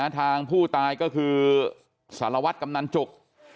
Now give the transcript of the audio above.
ทางผู้ตายก็คือสารวัตรกำนันจุก